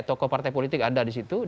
tokoh partai politik ada disitu